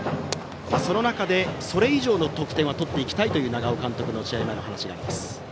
その中で、それ以上の得点はとっていきたいという長尾監督の試合前の話があります。